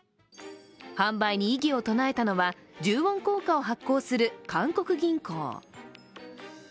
販売に異議を唱えたのは、１０ウォン硬貨を発行する韓国銀行。